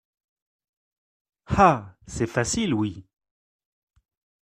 Ah ! c’est facile, oui !